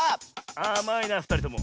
あまいなふたりとも。